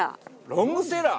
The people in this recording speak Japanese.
ロングセラー？